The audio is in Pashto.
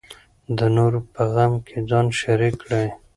د نورو په غم کې ځان شریک کړئ.